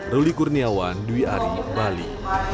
ruli kurniawan dwi ari bali